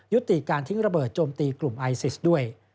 ยุติการทิ้งระเบิดโจมตีกลุ่มไอซิสด้วย